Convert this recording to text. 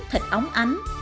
thịt ống ánh